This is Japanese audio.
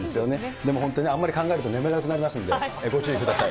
でも本当にあんまり考えると、眠れなくなりますのでご注意ください。